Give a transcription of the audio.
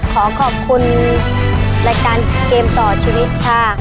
ขอขอบคุณรายการเกมต่อชีวิตค่ะ